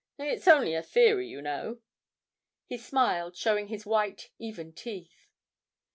It's only a theory, you know." He smiled, showing his white, even teeth.